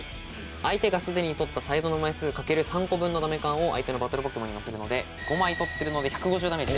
相手がすでに取ったサイドの枚数かける３個分のダメカンを相手のバトルポケモンにのせるので５枚取ってるので１５０ダメージ。